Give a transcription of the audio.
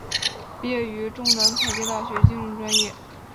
毕业于中南财经大学金融专业。